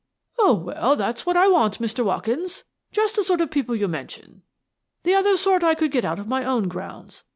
" Oh, well, that's what I want, Mr. Watkins — just the sort of people you mention. The other sort I could get out of my own grounds.